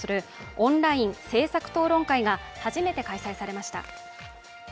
オンライン政策討論会が初めて開催されました。